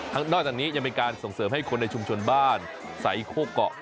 นอกจากนี้ยังเป็นการส่งเสริมให้คนในชุมชนบ้านใสโคเกาะ